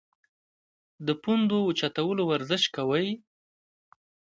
د پوندو اوچتولو ورزش کوی -